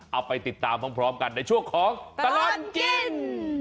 เอาไปติดตามพร้อมกันในช่วงของตลอดกิน